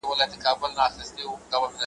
او مقایسوي څېړنو